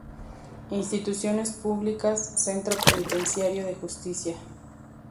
Instituciones públicas: Centro penitenciario de Justicia.